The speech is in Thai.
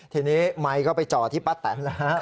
ทีนี้ไมค์ก็ไปจ่อที่ป้าแตนแล้วฮะ